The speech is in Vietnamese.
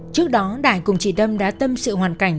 trước đó đại cùng chị tâm đã tâm sự hoàn cảnh